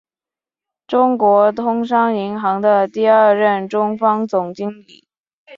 中国通商银行的第二任中方总经理。